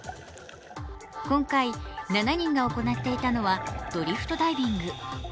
今回、７人が行っていたのはドリフトダイビング。